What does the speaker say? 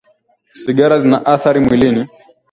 Sigara zina athari mwilini